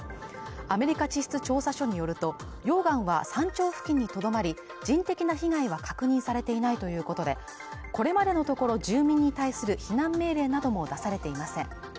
アメリカ地質調査所によると溶岩は山頂付近にとどまり人的な被害は確認されていないということでこれまでのところ住民に対する避難命令なども出されていません